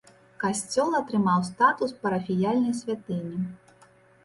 Касцёл атрымаў статус парафіяльнай святыні.